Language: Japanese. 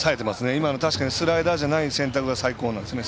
今の確かにスライダーじゃない選択が最高なんですね。